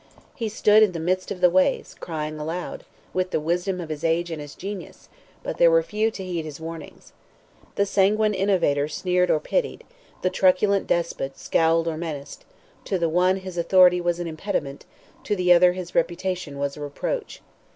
He stood in the midst of the ways, crying aloud, with the wisdom of his age and his genius, but there were few to heed his warnings. The sanguine innovator sneered or pitied; the truculent despot scowled or menaced; to the one his authority was an impediment, to the other his reputation was a reproach.